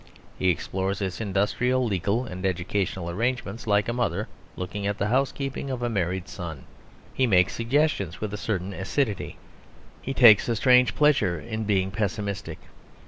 He explores its industrial, legal, and educational arrangements like a mother looking at the housekeeping of a married son; he makes suggestions with a certain acidity; he takes a strange pleasure in being pessimistic.